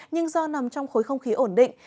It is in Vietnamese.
nhưng do nằm trong khối không khí ổn định